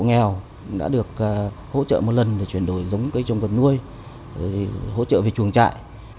hộ nghèo đã được hỗ trợ một lần để chuyển đổi giống cây trồng vật nuôi hỗ trợ về chuồng trại